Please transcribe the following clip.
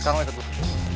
sekarang maju dulu